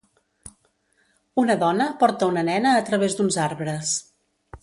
Una dona porta una nena a través d'uns arbres.